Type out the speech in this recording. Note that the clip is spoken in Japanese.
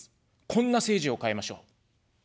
こんな政治を変えましょう。